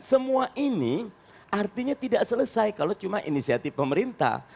semua ini artinya tidak selesai kalau cuma inisiatif pemerintah